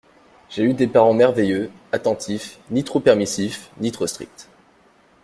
J’ai eu des parents merveilleux, attentifs, ni trop permissifs, ni trop stricts.